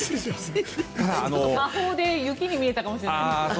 魔法で雪に見えたかもしれません。